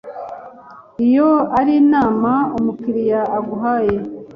Iyo ari inama umukiliya aguhaye,